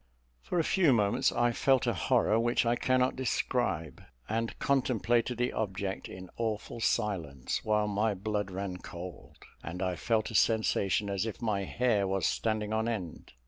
For a few moments, I felt a horror which I cannot describe, and contemplated the object in awful silence; while my blood ran cold, and I felt a sensation as if my hair was standing on end.